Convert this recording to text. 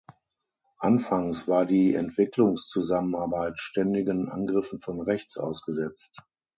Anfangs war die Entwicklungszusammenarbeit ständigen Angriffen von rechts ausgesetzt.